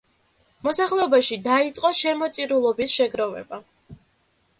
მოსახლეობაში დაიწყო შემოწირულობის შეგროვება.